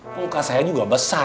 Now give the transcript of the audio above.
kulkas saya juga besar